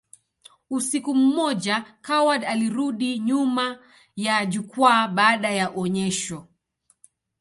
Usiku mmoja, Coward alirudi nyuma ya jukwaa baada ya onyesho.